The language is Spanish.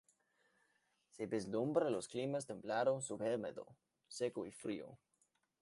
Se vislumbra los climas templado subhúmedo, seco y frío.